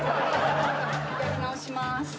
やり直します。